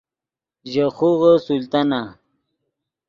ژے خوغے سلطانہ